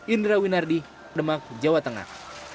indra winardi demak jawa tengah